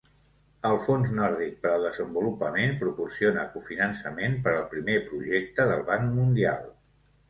El Fons Nòrdic per al Desenvolupament proporciona cofinançament per al primer projecte del Banc Mundial.